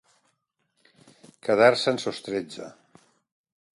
Quedar-se en sos tretze.